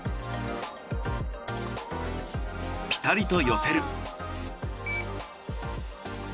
ピタリと寄せる。